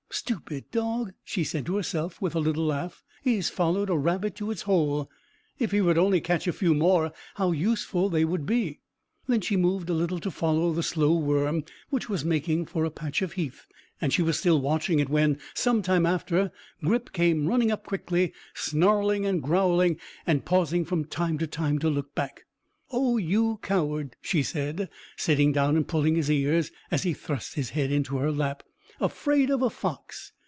"Stupid dog!" she said to herself, with a little laugh. "He has followed a rabbit to its hole. If he would only catch a few more, how useful they would be!" Then she moved a little to follow the slow worm, which was making for a patch of heath, and she was still watching it when, some time after, Grip came running up quickly, snarling and growling, and pausing from time to time to look back. "Oh, you coward!" she said, sitting down and pulling his ears, as he thrust his head into her lap. "Afraid of a fox!